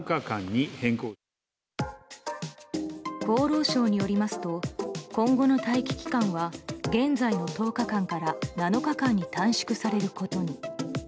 厚労省によりますと今後の待機期間は現在の１０日間から７日間に短縮されることに。